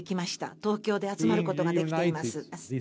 東京で集まることができています。